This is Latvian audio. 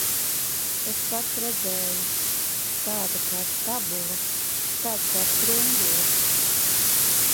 Es pats redzēju. Tāda kā stabule, tāds kā sprungulis.